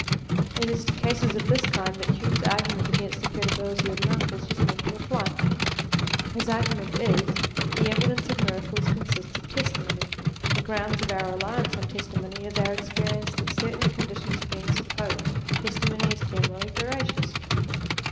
It is to cases of this kind that Hume's argu ment against the credibility of miracles was meant to apply. His argument is : The evidence of miracles consists of testimony. The ground of our reliance on testimony is our experience that certain conditions being supposed, testimony is generally veracious.